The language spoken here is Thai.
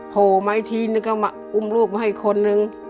โหไหมทีนึงก็มาอุ้มลูกมาให้คนหนึ่ง